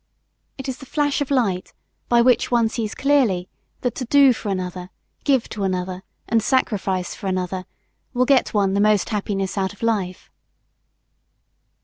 It is the flash of light, by which one sees clearly that to do for another, give to another, and sacrifice for another, will get one the most happiness out of life.